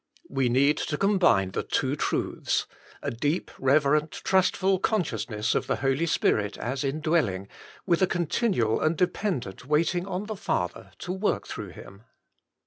We need to combine the two truths — a deep reverent, trustful consciousness of the Holy Spirit as indwelling, with a continual and dependent waiting on the Father to work through Him.